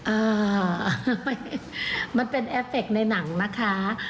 อ่ามันเป็นเอฟเฟคในหนังนะคะ